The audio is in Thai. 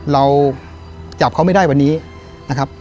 เราจับเขาไม่ได้วันนี้นะครับ